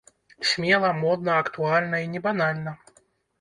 Смела, модна, актуальна і не банальна!